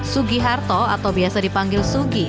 sugi harto atau biasa dipanggil sugi